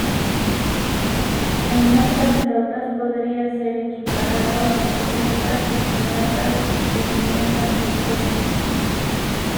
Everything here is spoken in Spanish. En otras flotas podría ser equiparado a corbetas o fragatas de defensa costera.